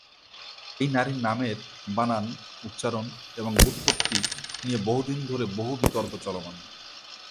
এই নারীর নামের বানান, উচ্চারণ, এবং ব্যুৎপত্তি নিয়ে বহুদিন ধরে বহু বিতর্ক চলমান।